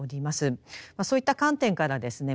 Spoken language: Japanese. そういった観点からですね